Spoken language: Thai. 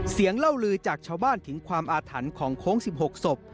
เล่าลือจากชาวบ้านถึงความอาถรรพ์ของโค้ง๑๖ศพ